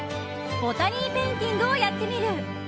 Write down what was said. ボタニーペインティングをやってみる。